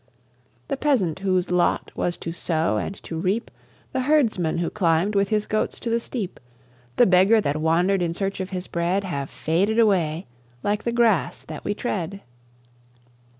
The peasant whose lot was to sow and to reap, The herdsman who climbed with his goats to the steep, The beggar that wandered in search of his bread, Have faded away like the grass that we tread.